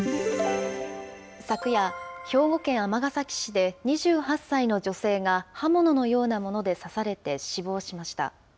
昨夜、兵庫県尼崎市で、２８歳の女性が刃物のようなもので刺されて死亡しました。